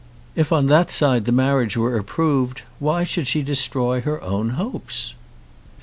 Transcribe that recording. If on that side the marriage were approved, why should she destroy her own hopes?